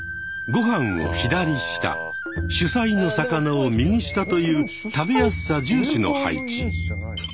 ご飯を左下主菜の魚を右下という食べやすさ重視の配置。